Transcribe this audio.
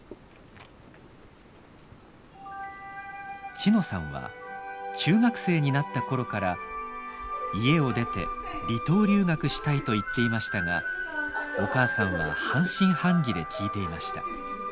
千乃さんは中学生になった頃から家を出て離島留学したいと言っていましたがお母さんは半信半疑で聞いていました。